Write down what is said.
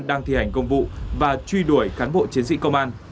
đang thi hành công vụ và truy đuổi cán bộ chiến sĩ công an